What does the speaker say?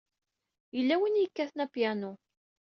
Yella win i yekkaten apyanu.